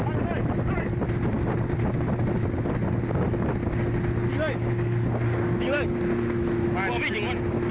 เป็นนั้นจะจบหน้าการทางนี้ไหมครับ